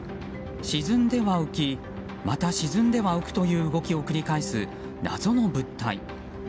沈んでは浮きまた沈んでは浮くという動きを繰り返す謎の物体。